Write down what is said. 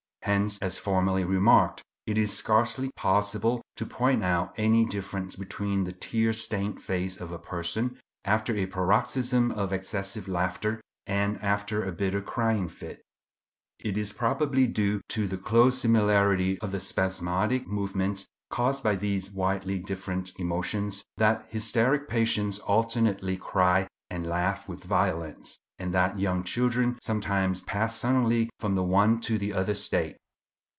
Hence, as formerly remarked, it is scarcely possible to point out any difference between the tear stained face of a person after a paroxysm of excessive laughter and after a bitter crying fit. It is probably due to the close similarity of the spasmodic movements caused by these widely different emotions that hysteric patients alternately cry and laugh with violence, and that young children sometimes pass suddenly from the one to the other state.